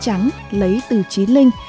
trẻ trắng lấy từ trí linh